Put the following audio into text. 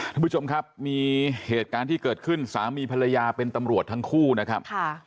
ท่านผู้ชมครับมีเหตุการณ์ที่เกิดขึ้นสามีภรรยาเป็นตำรวจทั้งคู่นะครับ